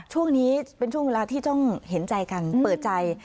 ช่วงนี้เป็นช่วงเวลาที่ต้องเห็นใจกันเปิดใจ